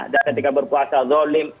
dan ketika berpuasa zolim